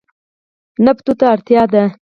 نفتو ته اړتیا ده.